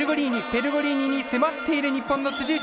ペルゴリーニに迫っている日本の辻内。